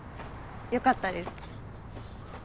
良かったです。